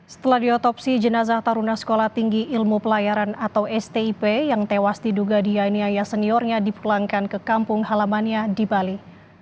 setelah diotopsi jenazah taruna sekolah tinggi ilmu pelayaran atau stip yang tewas diduga dianiaya seniornya dipulangkan ke kampung halamannya di bali